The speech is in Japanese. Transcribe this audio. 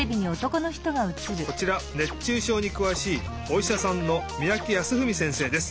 こちら熱中症にくわしいおいしゃさんの三宅康史せんせいです。